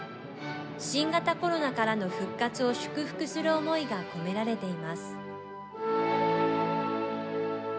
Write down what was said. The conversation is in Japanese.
新型コロナからの復活を祝福する思いが込められています。